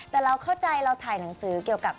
แต่เราเข้าใจเราถ่ายหนังสือเกี่ยวกับ